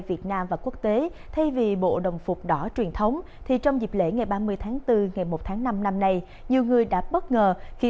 xin mời quý vị cùng theo dõi